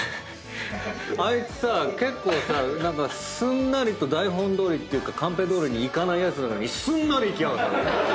あいつさ結構さすんなりと台本どおりっていうかカンペどおりいかないやつなのにすんなりいきやがったね！